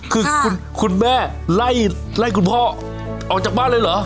คือคุณแม่ไล่คุณพ่อออกจากบ้านเลยเหรอ